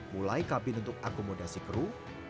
mulai kabin untuk akomodasi kru